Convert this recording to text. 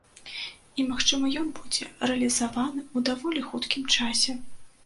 І, магчыма, ён будзе рэалізаваны ў даволі хуткім часе.